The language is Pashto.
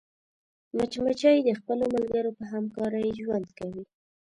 مچمچۍ د خپلو ملګرو په همکارۍ ژوند کوي